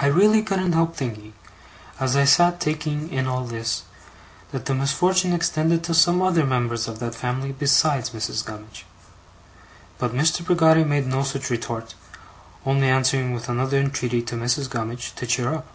I really couldn't help thinking, as I sat taking in all this, that the misfortune extended to some other members of that family besides Mrs. Gummidge. But Mr. Peggotty made no such retort, only answering with another entreaty to Mrs. Gummidge to cheer up.